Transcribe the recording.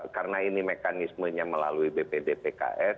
karena ini mekanismenya melalui bpd pks